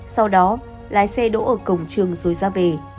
sau đó lái xe đỗ ở cổng trường rồi ra về